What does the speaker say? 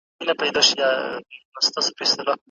که ته مرسته وکړې نو زه به خوشحاله سم .